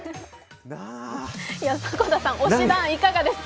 迫田さん、推し壇、いかがですか？